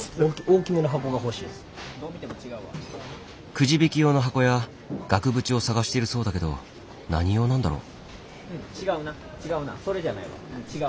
くじ引き用の箱や額縁を探しているそうだけど何用なんだろう？